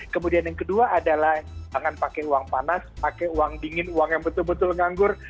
kemudian yang kedua adalah jangan pakai uang panas pakai uang dingin uang yang betul betul nganggur